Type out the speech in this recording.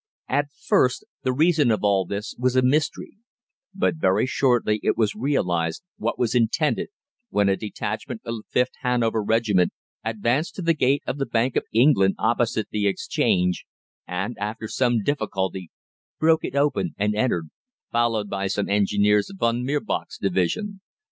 At first the reason of all this was a mystery, but very shortly it was realised what was intended when a detachment of the 5th Hanover Regiment advanced to the gate of the Bank of England opposite the Exchange, and, after some difficulty, broke it open and entered, followed by some engineers of Von Mirbach's Division.